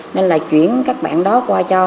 nên là chuyển các bạn đó qua cho